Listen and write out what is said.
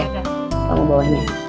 enak enak enak banget